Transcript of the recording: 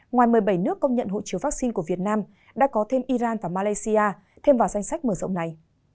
ngoài một mươi bảy nước công nhận hộ chiếu vaccine của việt nam đã có thêm iran và malaysia thêm vào danh sách mở rộng này